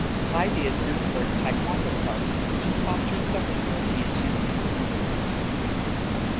Viby is known for its taekwondo-club, which has fostered several European Champions.